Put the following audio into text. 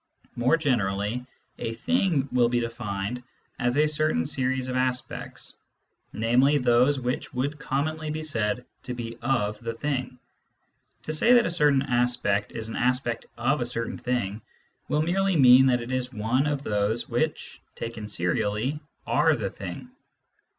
More Digitized by Google WORLDS OF PHYSICS AND OF SENSE 107 generally, a " thing " will be defined as a certain series of aspects, namely those which would commonly be said to be of the thing. To say that a certain aspect is an aspect ofz. certain thing will merely mean that it is one of those which, taken serially, are the thing.